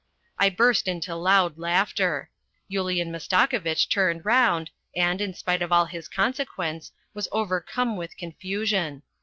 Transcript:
I burst into loud laughter. Yulian Mastakovitch turned round and, in spite of all his consequence, was overcome with confusion.